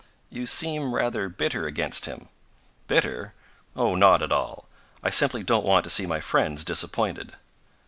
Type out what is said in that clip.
"You seem rather bitter against him." "Bitter? Oh, not at all. I simply don't want to see my friends disappointed."